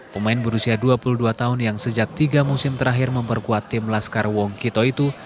pemain berusia dua puluh dua tahun yang sejak tiga musim terakhir memperkuat tim laskar wong kito itu